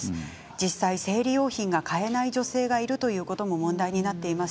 実際、生理用品が買えない女性のことも問題になっています。